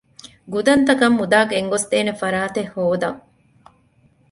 ގުދަންތަކަށް މުދާ ގެންގޮސްދޭނެ ފަރާތެއް ހޯދަން